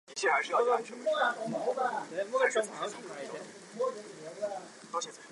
解放军本身也很希望能大量生产这种步兵炮。